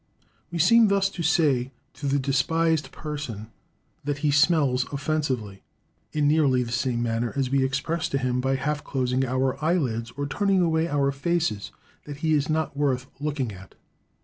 We seem thus to say to the despised person that he smells offensively, in nearly the same manner as we express to him by half closing our eyelids, or turning away our faces, that he is not worth looking at.